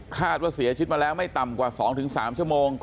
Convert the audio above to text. คาดว่าเสียชีวิตมาแล้วไม่ต่ำกว่า๒๓ชั่วโมง